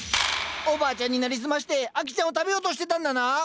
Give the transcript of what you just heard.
おばあちゃんに成り済ましてアキちゃんを食べようとしてたんだな！